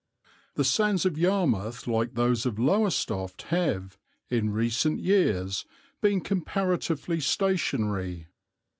"The sands of Yarmouth, like those of Lowestoft, have, in recent years, been comparatively stationary.